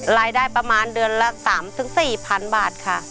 รายได้ประมาณเดือนละ๓๔๐๐๐บาทค่ะ